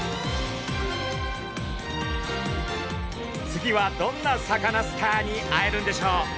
次はどんなサカナスターに会えるんでしょう？